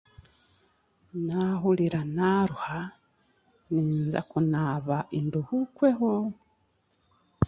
Naahurira naaruha, ninza kunaaba nduhuukweho.